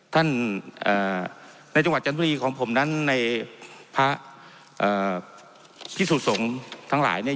ท่านในจังหวัดจันทุบรีของผมนั้นในพระพิสุทธิ์ทรงทั้งหลายเนี่ย